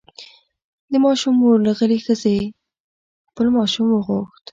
د ماشوم مور له غلې ښځې خپل ماشوم وغوښت.